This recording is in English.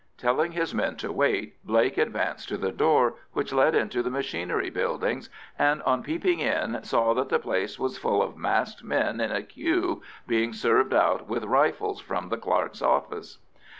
Telling his men to wait, Blake advanced to the door, which led into the machinery buildings, and on peeping in saw that the place was full of masked men in a queue, being served out with rifles from the clerk's office.